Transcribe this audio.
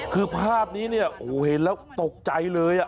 คือภาพนี้เห็นแล้วตกใจเลย